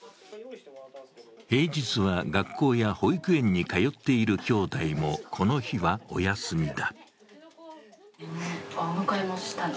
平日は学校や保育園に通っているきょうだいもこの日はお休みだ。